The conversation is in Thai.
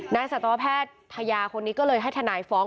สัตวแพทยาคนนี้ก็เลยให้ทนายฟ้อง